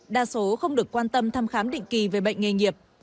đa số không được quan tâm thăm khám định kỳ về bệnh nghề nghiệp